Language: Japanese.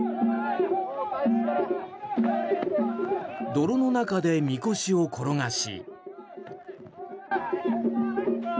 泥の中でみこしを転がし。